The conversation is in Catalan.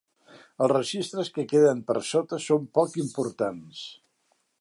Els registres que queden per sota són poc importants.